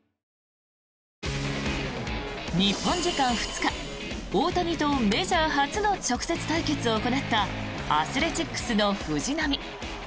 日本時間２日、大谷とメジャー初の直接対決を行ったアスレチックスの藤浪。